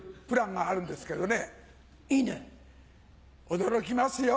驚きますよ